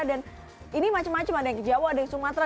dan ini macam macam ada yang jawa ada yang sumatera